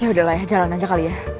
yaudah lah ya jalan aja kali ya